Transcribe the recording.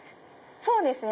そうですね。